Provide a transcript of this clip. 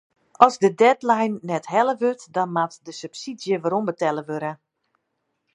As de deadline net helle wurdt dan moat de subsydzje werombetelle wurde.